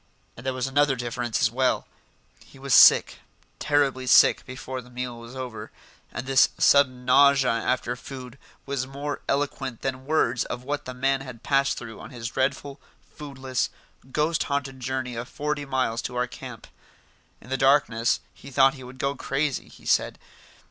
And there was another difference as well: he was sick, terribly sick before the meal was over, and this sudden nausea after food was more eloquent than words of what the man had passed through on his dreadful, foodless, ghost haunted journey of forty miles to our camp. In the darkness he thought he would go crazy, he said.